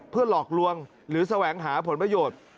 เพื่อหลอกลวงหรือแสวงหาผลประโยชน์